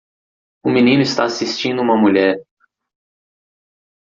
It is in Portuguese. Um menino está assistindo uma mulher.